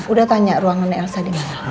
udah tanya ruangannya elsa dimana